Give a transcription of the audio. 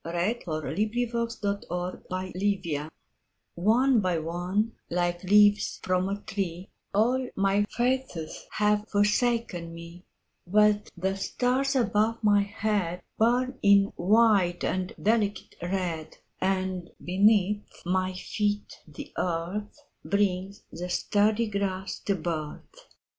1917. Leaves By Sara Teasdale ONE by one, like leaves from a tree, All my faiths have forsaken me; But the stars above my headBurn in white and delicate red, And beneath my feet the earthBrings the sturdy grass to birth.